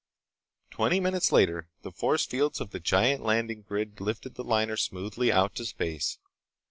Twenty minutes later the force fields of the giant landing grid lifted the liner smoothly out to space.